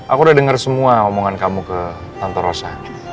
aku udah denger semua omongan kamu ke tante rosa